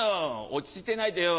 落ち着いてないでよ